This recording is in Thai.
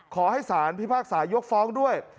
ขอให้สารพิพากษายกฟ้องด้วย